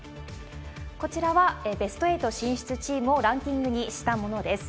こちらはベスト８進出チームをランキングにしたものです。